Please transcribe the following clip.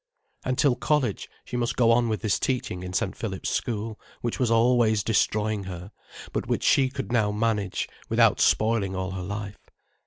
And till college, she must go on with this teaching in St. Philip's School, which was always destroying her, but which she could now manage, without spoiling all her life.